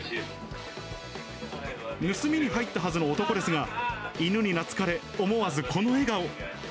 盗みに入ったはずの男ですが、犬に懐かれ、思わずこの笑顔。